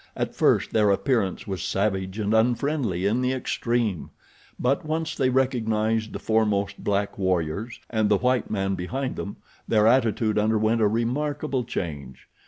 At first their appearance was savage and unfriendly in the extreme; but once they recognized the foremost black warriors, and the white man behind them their attitude underwent a remarkable change.